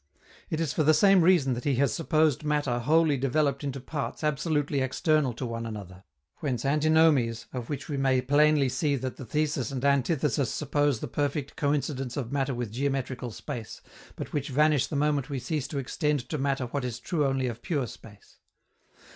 It is for the same reason that he has supposed matter wholly developed into parts absolutely external to one another; whence antinomies, of which we may plainly see that the thesis and antithesis suppose the perfect coincidence of matter with geometrical space, but which vanish the moment we cease to extend to matter what is true only of pure space.